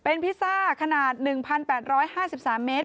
เป็นพิซซ่าขนาด๑๘๕๓เมตร